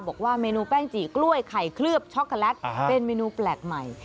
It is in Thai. บอกว่าเมนูแป้งจี่กล้วยไข่เคลือบช็อกโกแลตเป็นเมนูแปลกใหม่